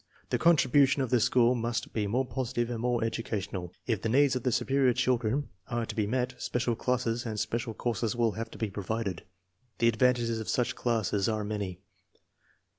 The contribution of the school must be more positive and more educa tional. If the needs of superior children are to be 264 INTELLIGENCE OF SCHOOL CHILDREN met, special classes and special courses will have to be provided. The advantages of such classes are many.